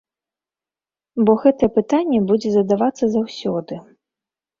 Бо гэтае пытанне будзе задавацца заўсёды.